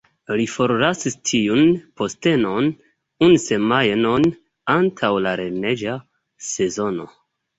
Li forlasis tiun postenon, unu semajnon antaŭ la lerneja sezono.